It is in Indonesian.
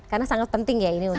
karena sangat penting ya ini untuk